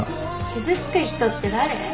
傷つく人って誰？